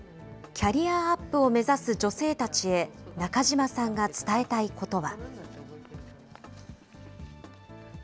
キャリアアップを目指す女性たちへ、中島さんが伝えたいことは。